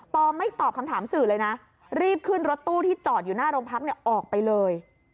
ไม่ตอบคำถามสื่อเลยนะรีบขึ้นรถตู้ที่จอดอยู่หน้าโรงพักออกไปเลย